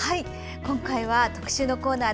今回は、特集のコーナー